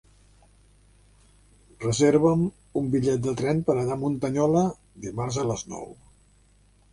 Reserva'm un bitllet de tren per anar a Muntanyola dimarts a les nou.